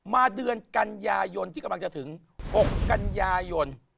มาเดือนกันยายนที่กำลังจะถึง๖กันยายน